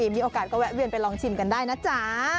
มีโอกาสก็แวะเวียนไปลองชิมกันได้นะจ๊ะ